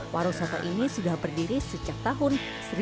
warung soto ini sudah berdiri sejak tahun seribu sembilan ratus delapan puluh